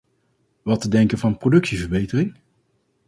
Wat te denken van productieverbetering?